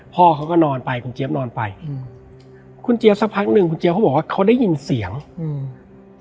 พ่อเขาก็นอนไปคุณเจี๊ยบนอนไปอืมคุณเจี๊ยบสักพักหนึ่งคุณเจี๊ยเขาบอกว่าเขาได้ยินเสียงอืม